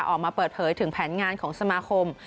ออกมาเปิดเผยถึงแผนงานของสมาคม